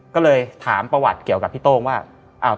ก็เลยถามประวัติเกี่ยวกับพี่โต้งว่า